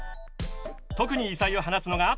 特に異彩を放つのが。